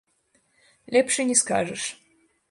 Лепш і не скажаш.